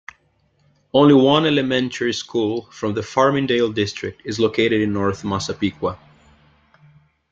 Only one elementary school from the Farmingdale district is located in North Massapequa.